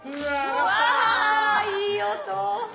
うわいい音。